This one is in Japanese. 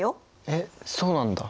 えっそうなんだ。